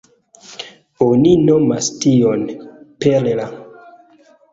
Oni nomas tion "perla".